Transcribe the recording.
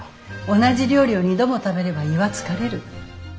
同じ料理を２度も食べれば胃は疲れる。